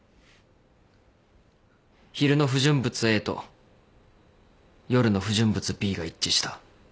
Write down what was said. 昼の不純物Ａと夜の不純物Ｂが一致した。